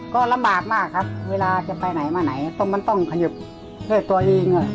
ก็ลำบากมากครับเวลาจะไปไหนมาไหนต้องมันต้องขยิบด้วยตัวเอง